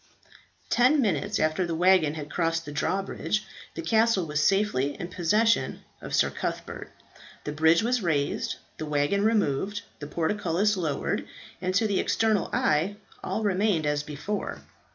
Ten minutes after the waggon had crossed the drawbridge, the castle was safely in possession of Sir Cuthbert. The bridge was raised, the waggon removed, the portcullis lowered, and to the external eye all remained as before.